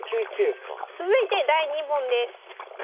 続いて第２問です。